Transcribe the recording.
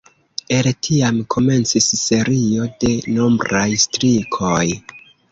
El tiam komencis serio de nombraj strikoj.